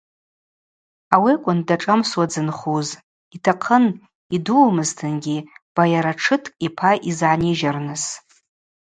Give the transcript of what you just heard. Ауи акӏвын дашӏамсуа дзынхуз – йтахъын йдумызтынгьи байара тшыткӏ йпа йызгӏанижьырныс.